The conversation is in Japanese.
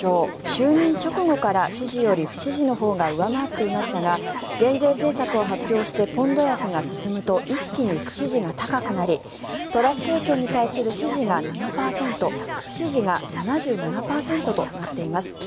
就任直後から支持より不支持のほうが上回っていましたが減税政策を発表してポンド安が進むと一気に不支持が高くなりトラス政権に対する支持が７％不支持が７７％となっています。